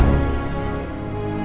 dia sangat peduli